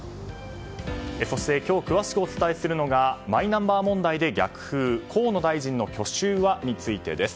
そして今日詳しくお伝えするのがマイナンバー問題で逆風河野大臣の去就は？についてです。